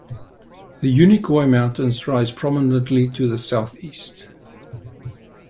The Unicoi Mountains rise prominently to the southeast.